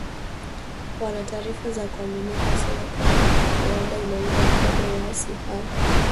Wana taarifa za kuaminika sana kwamba Rwanda inaunga mkono waasi hao